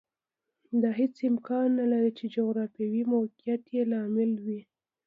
دا هېڅ امکان نه لري چې جغرافیوي موقعیت یې لامل وي